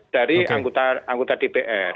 dari anggota dpr